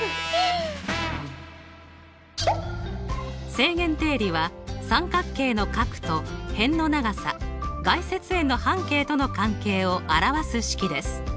正弦定理は三角形の角と辺の長さ外接円の半径との関係を表す式です。